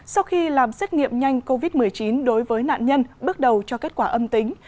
sau khi làm xét nghiệm nhanh covid một mươi chín đối với nạn nhân bước đầu cho kết quả âm tính